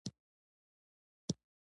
آیا چې په سوله کې ژوند وکړي؟